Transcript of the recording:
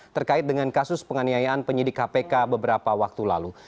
terkait dengan kasus penganiayaan penyidik kpk beberapa waktu lalu